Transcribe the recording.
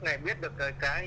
người biết được cái